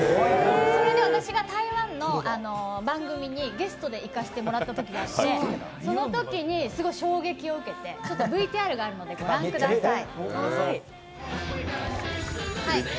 それで私が台湾の番組にゲストで行かせてもらったときがあってそのときに衝撃を受けてＶＴＲがあるのでご覧ください。